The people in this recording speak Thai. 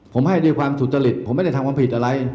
ผมให้ด้วยความสุจริตผมไม่ได้ทำความผิดอะไร